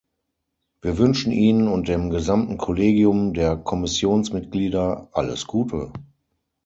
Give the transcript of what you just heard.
Wir wünschen Ihnen und dem gesamten Kollegium der Kommissionsmitglieder alles Gute.